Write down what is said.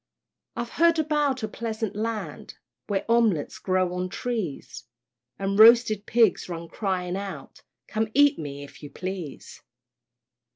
I've heard about a pleasant Land, Where omelettes grow on trees, And roasted pigs run crying out, "Come eat me, if you please."